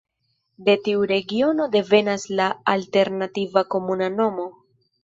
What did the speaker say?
De tiu regiono devenas la alternativa komuna nomo.